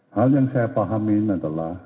hal yang saya pahami adalah